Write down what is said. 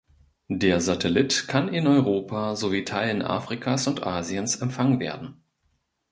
Der Satellit kann in Europa sowie Teilen Afrikas und Asiens empfangen werden.